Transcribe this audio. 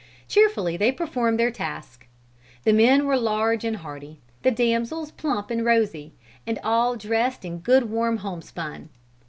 Cheerfully they performed their task. The men were large and hardy; the damsels plump and rosy, and all dressed in good warm homespun.